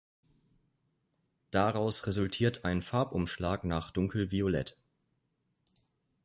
Daraus resultiert ein Farbumschlag nach dunkelviolett.